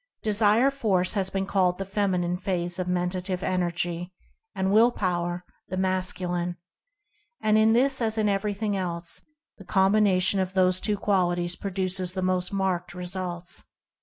Desire Force has been called the Feminine phase of Mentative Energy ; and Will Power the Mas culine. And in this as in everything else, the com bination of the two qualities produces the most marked results.